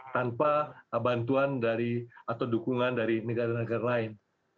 tanpa bantuan atau dukungan dari negara negara lain